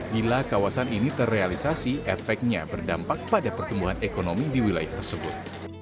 bila kawasan ini terrealisasi efeknya berdampak pada pertumbuhan ekonomi di wilayah tersebut